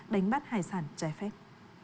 đánh bắt hải sản trẻ phép